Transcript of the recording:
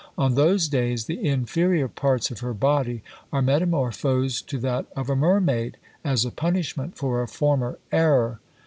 On those days the inferior parts of her body are metamorphosed to that of a mermaid, as a punishment for a former error.